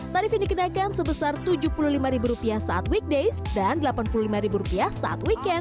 tarif yang dikenakan sebesar tujuh puluh lima rupiah saat weekdays dan rp delapan puluh lima rupiah saat weekend